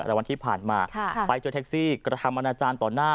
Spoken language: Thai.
แต่วันที่ผ่านมาไปเจอแท็กซี่กระทำอนาจารย์ต่อหน้า